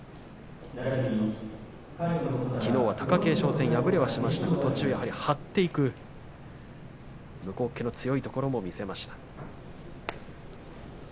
きのうは貴景勝戦敗れはしましたけども途中張っていく向こうっけの強いところも見せました。